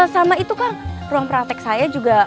sama itu kan ruang praktek saya juga